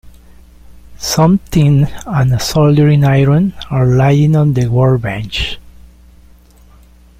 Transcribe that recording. Some tin and a soldering iron are laying on the workbench.